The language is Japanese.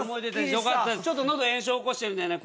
ちょっと喉炎症起こしてるんでね